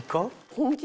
本気？